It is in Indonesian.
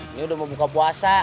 ini udah mau buka puasa